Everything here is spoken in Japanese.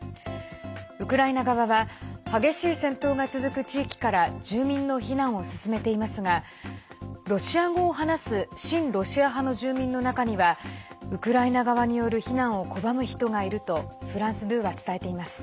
ウクライナ側は激しい戦闘が続く地域から住民の避難を進めていますがロシア語を話す親ロシア派の住民の中にはウクライナ側による避難を拒む人がいるとフランス２は伝えています。